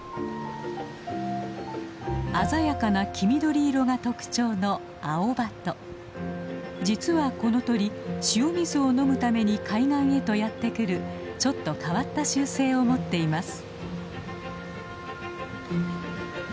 鮮やかな黄緑色が特徴の実はこの鳥塩水を飲むために海岸へとやって来るちょっと変わった習性を持っています。